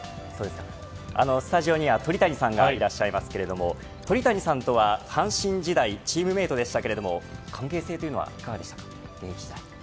スタジオには鳥谷さんがいらっしゃいますけれども鳥谷さんとは阪神時代チームメートでしたけども関係性というのはいかがでしたか。